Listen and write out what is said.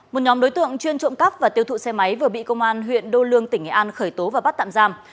một nhóm đối tượng chuyên trộm cắp và tiêu thụ xe máy vừa bị công an huyện đô lương tỉnh nghệ an khởi tố và bắt tạm giam